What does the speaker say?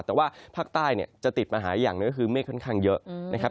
แต่ว่าภาคใต้เนี่ยจะติดมาหาอย่างหนึ่งก็คือเมฆค่อนข้างเยอะนะครับ